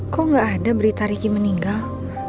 kok gak ada berita ricky meninggal